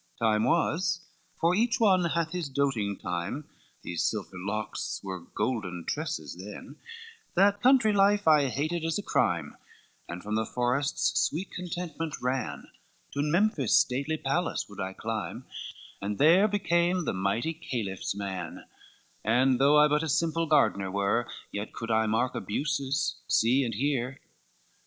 XII "Time was, for each one hath his doating time, These silver locks were golden tresses then, That country life I hated as a crime, And from the forest's sweet contentment ran, And there became the mighty caliph's man, and though I but a simple gardener were, Yet could I mark abuses, see and hear.